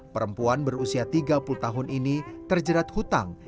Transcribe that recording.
perempuan berusia tiga puluh tahun ini terjerat hutang